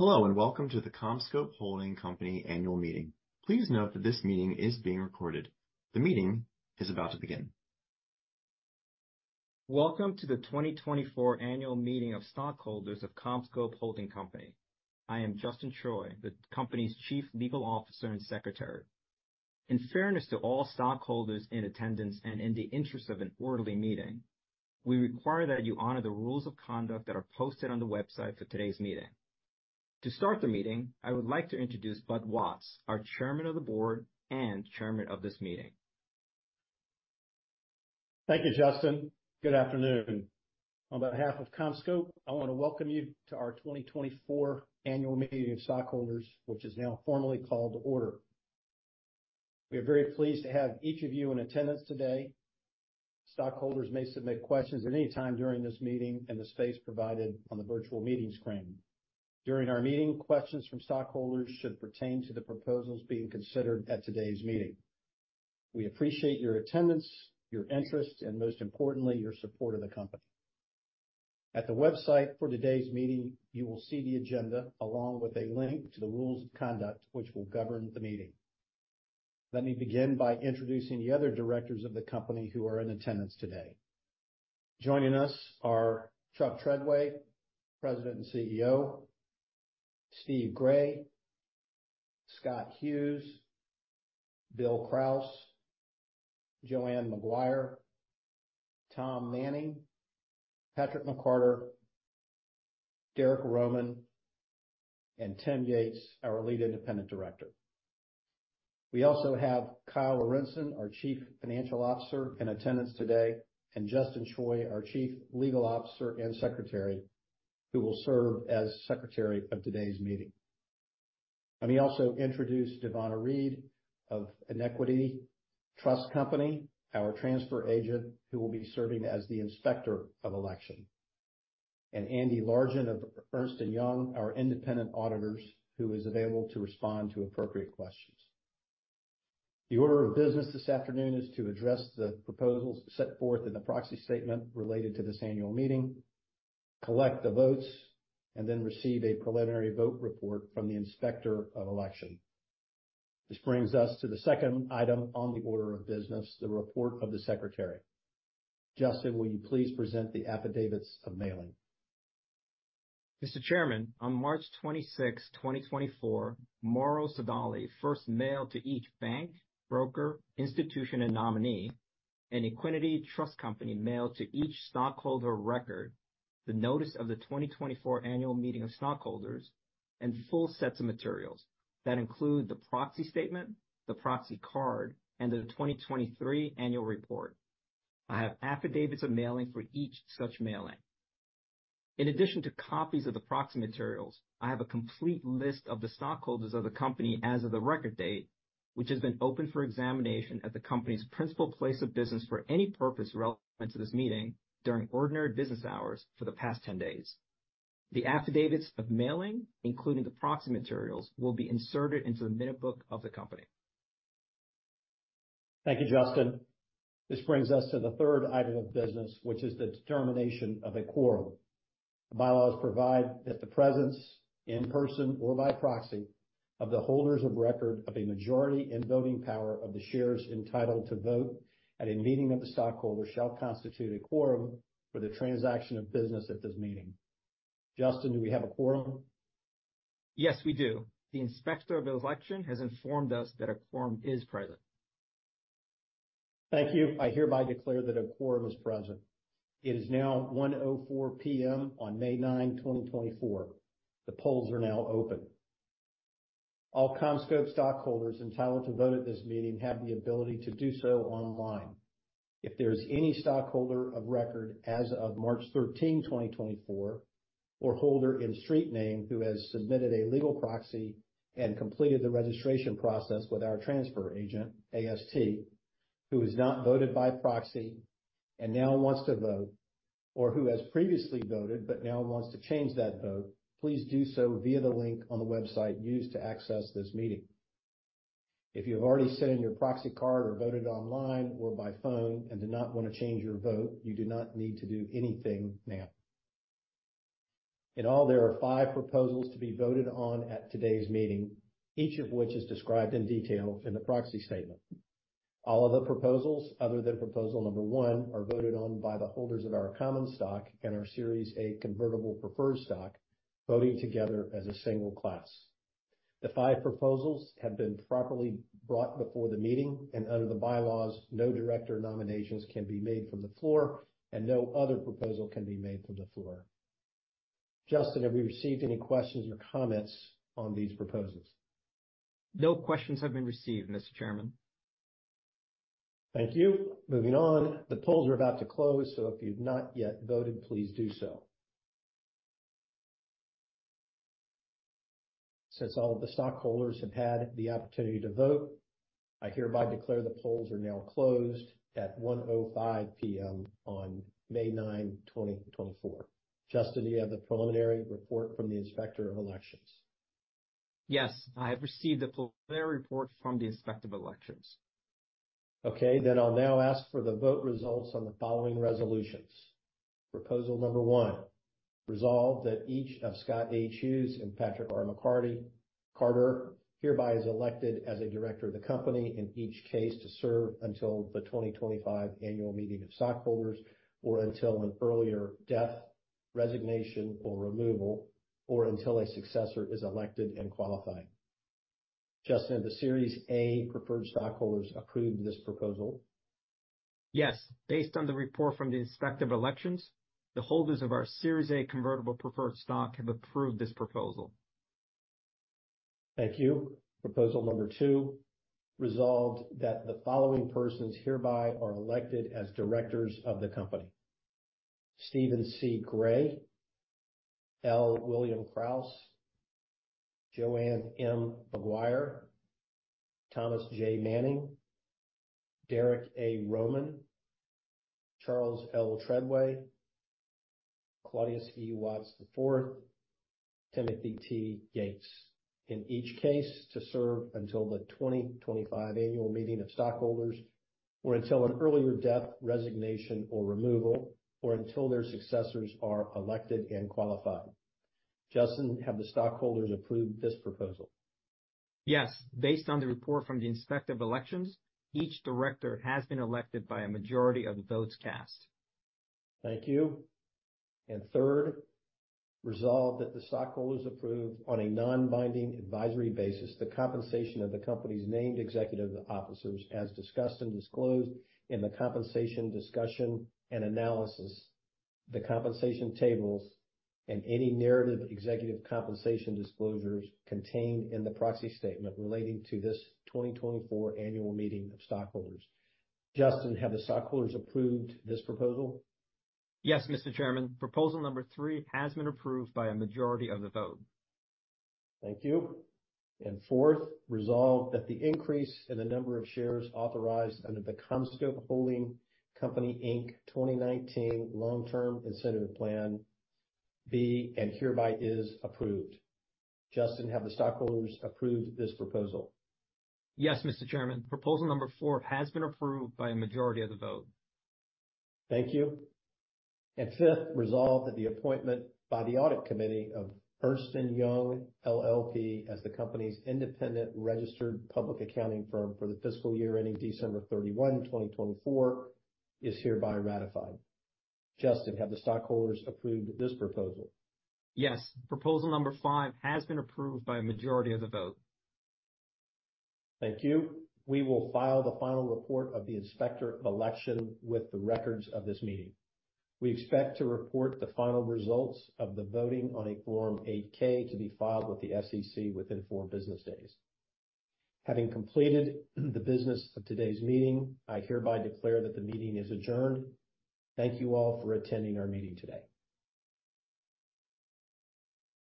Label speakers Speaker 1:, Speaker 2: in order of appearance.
Speaker 1: Hello. Welcome to the CommScope Holding Company annual meeting. Please note that this meeting is being recorded. The meeting is about to begin.
Speaker 2: Welcome to the 2024 annual meeting of stockholders of CommScope Holding Company. I am Justin Choi, the company's Chief Legal Officer and Secretary. In fairness to all stockholders in attendance and in the interest of an orderly meeting, we require that you honor the rules of conduct that are posted on the website for today's meeting. To start the meeting, I would like to introduce Bud Watts, our Chairman of the Board and Chairman of this meeting.
Speaker 3: Thank you, Justin. Good afternoon. On behalf of CommScope, I want to welcome you to our 2024 annual meeting of stockholders, which is now formally called to order. We are very pleased to have each of you in attendance today. Stockholders may submit questions at any time during this meeting in the space provided on the virtual meeting screen. During our meeting, questions from stockholders should pertain to the proposals being considered at today's meeting. We appreciate your attendance, your interest, and most importantly, your support of the company. At the website for today's meeting, you will see the agenda along with a link to the rules of conduct, which will govern the meeting. Let me begin by introducing the other directors of the company who are in attendance today. Joining us are Chuck Treadway, President and CEO, Steve Gray, Scott Hughes, Bill Krause, Joanne Maguire, Tom Manning, Patrick McCarter, Derrick Roman, and Tim Yates, our Lead Independent Director. We also have Kyle Lorentzen, our Chief Financial Officer, in attendance today, and Justin Choi, our Chief Legal Officer and Secretary, who will serve as Secretary of today's meeting. Let me also introduce Devonna Reed of Equiniti Trust Company, our transfer agent, who will be serving as the inspector of election, and Andy Largent of Ernst & Young, our independent auditors, who is available to respond to appropriate questions. The order of business this afternoon is to address the proposals set forth in the proxy statement related to this annual meeting, collect the votes, and then receive a preliminary vote report from the inspector of election. This brings us to the second item on the order of business, the report of the secretary. Justin, will you please present the affidavits of mailing?
Speaker 2: Mr. Chairman, on March 26, 2024, Morrow Sodali first mailed to each bank, broker, institution, and nominee, and Equiniti Trust Company mailed to each stockholder of record the notice of the 2024 annual meeting of stockholders and full sets of materials that include the proxy statement, the proxy card, and the 2023 annual report. I have affidavits of mailing for each such mailing. In addition to copies of the proxy materials, I have a complete list of the stockholders of the company as of the record date, which has been open for examination at the company's principal place of business for any purpose relevant to this meeting during ordinary business hours for the past 10 days. The affidavits of mailing, including the proxy materials, will be inserted into the minute book of the company.
Speaker 3: Thank you, Justin. This brings us to the third item of business, which is the determination of a quorum. The bylaws provide that the presence in person or by proxy of the holders of record of a majority in voting power of the shares entitled to vote at a meeting of the stockholder shall constitute a quorum for the transaction of business at this meeting. Justin, do we have a quorum?
Speaker 2: Yes, we do. The inspector of election has informed us that a quorum is present.
Speaker 3: Thank you. I hereby declare that a quorum is present. It is now 1:04 P.M. on May nine, 2024. The polls are now open. All CommScope stockholders entitled to vote at this meeting have the ability to do so online. If there is any stockholder of record as of March 13, 2024, or holder in street name who has submitted a legal proxy and completed the registration process with our transfer agent, AST, who has not voted by proxy and now wants to vote, or who has previously voted but now wants to change that vote, please do so via the link on the website used to access this meeting. If you have already sent in your proxy card or voted online or by phone and do not want to change your vote, you do not need to do anything now. There are five proposals to be voted on at today's meeting, each of which is described in detail in the proxy statement. All of the proposals, other than proposal number one, are voted on by the holders of our common stock and our Series A convertible preferred stock, voting together as a single class. The five proposals have been properly brought before the meeting, and under the bylaws, no director nominations can be made from the floor, and no other proposal can be made from the floor. Justin, have we received any questions or comments on these proposals?
Speaker 2: No questions have been received, Mr. Chairman.
Speaker 3: Thank you. Moving on. The polls are about to close, so if you've not yet voted, please do so. Since all of the stockholders have had the opportunity to vote, I hereby declare the polls are now closed at 1:05 P.M. on May nine, 2024. Justin, do you have the preliminary report from the inspector of elections?
Speaker 2: Yes, I have received the full report from the Inspector of Elections.
Speaker 3: Okay, I'll now ask for the vote results on the following resolutions. Proposal number one. Resolved that each of Scott H. Hughes and Patrick R. McCarter hereby is elected as a director of the company in each case to serve until the 2025 annual meeting of stockholders or until an earlier death, resignation, or removal, or until a successor is elected and qualified. Justin, have the Series A preferred stockholders approved this proposal?
Speaker 2: Yes. Based on the report from the Inspector of Elections, the holders of our Series A convertible preferred stock have approved this proposal.
Speaker 3: Thank you. Proposal number two. Resolved that the following persons hereby are elected as directors of the company. Stephen C. Gray, L. William Krause, Joanne M. Maguire, Thomas J. Manning, David A. Roman, Charles L. Treadway, Claudius E. Watts IV, Timothy T. Yates. In each case to serve until the 2025 annual meeting of stockholders or until an earlier death, resignation, or removal, or until their successors are elected and qualified. Justin, have the stockholders approved this proposal?
Speaker 2: Yes. Based on the report from the Inspector of Elections, each director has been elected by a majority of the votes cast.
Speaker 3: Thank you. Third, resolved that the stockholders approved on a non-binding advisory basis the compensation of the company's named executive officers as discussed and disclosed in the compensation discussion and analysis, the compensation tables, and any narrative executive compensation disclosures contained in the proxy statement relating to this 2024 annual meeting of stockholders. Justin Choi, have the stockholders approved this proposal?
Speaker 2: Yes, Mr. Chairman. Proposal number 3 has been approved by a majority of the vote.
Speaker 3: Thank you. Fourth, resolved that the increase in the number of shares authorized under the CommScope Holding Company, Inc. 2019 Long-Term Incentive Plan be and hereby is approved. Justin Choi, have the stockholders approved this proposal?
Speaker 2: Yes, Mr. Chairman. Proposal number four has been approved by a majority of the vote.
Speaker 3: Thank you. Fifth, resolved that the appointment by the audit committee of Ernst & Young LLP as the company's independent registered public accounting firm for the fiscal year ending December 31, 2024, is hereby ratified. Justin, have the stockholders approved this proposal?
Speaker 2: Yes. Proposal number five has been approved by a majority of the vote.
Speaker 3: Thank you. We will file the final report of the Inspector of Election with the records of this meeting. We expect to report the final results of the voting on a Form 8-K to be filed with the SEC within four business days. Having completed the business of today's meeting, I hereby declare that the meeting is adjourned. Thank you all for attending our meeting today.